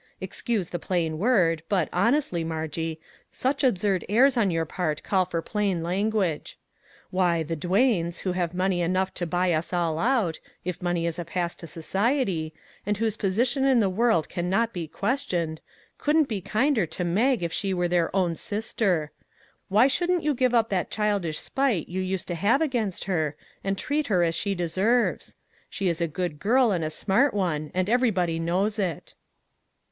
Excuse the plain word, but, honestly, Margie, such absurd airs on your part call for plain lan guage. Why, the Duanes, who have money enough to buy us all out, if money is a pass to society, and whose position in the world can not be questioned, couldn't be kinder to Mag if she were their own sister. Why shouldn't you give up that childish spite you used to have against her, and treat her as she deserves ? She is a good girl and a smart one, and everybody knows it."